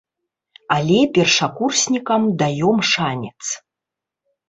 Але першакурснікам даём шанец.